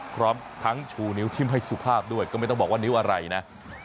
พร้อมทั้งชูนิ้วทิ้มให้สุภาพด้วยก็ไม่ต้องบอกว่านิ้วอะไรนะ